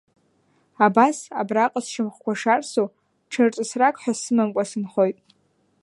Абас абраҟа сшьамхқәа шарсу, ҽырҵысрак ҳәа сымамкәа сынхоит.